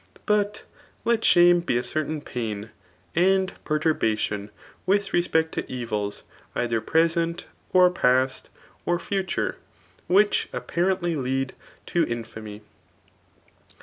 But lei j^ume be a certain paJ^ and perturbation with respecf to esfMs either preseftt^ or posit, orjuture, which appa^ ren^ lead to i^an^.